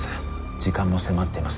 時間も迫っています